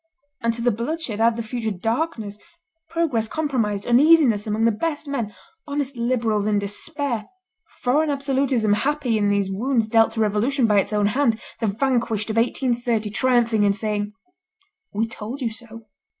And to the bloodshed add the future darkness, progress compromised, uneasiness among the best men, honest liberals in despair, foreign absolutism happy in these wounds dealt to revolution by its own hand, the vanquished of 1830 triumphing and saying: 'We told you so!